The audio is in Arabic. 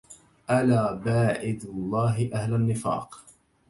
ألا باعد الله أهل النفاق